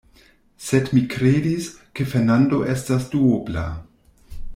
Sed mi kredis, ke Fernando estas duobla.